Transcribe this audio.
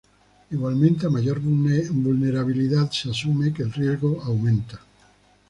Igualmente a mayor vulnerabilidad se asume que el riesgo aumenta.